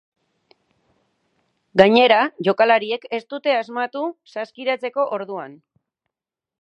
Gainera, jokalariek ez dute asmatu saskiratzeko orduan.